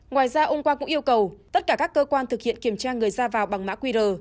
ngoài ra ông quang cũng yêu cầu tất cả các cơ quan thực hiện kiểm tra người ra vào bằng mã qr